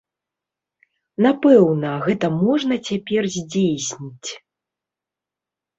Напэўна, гэта можна цяпер здзейсніць.